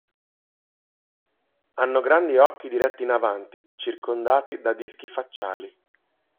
Hanno grandi occhi diretti in avanti circondati da dischi facciali.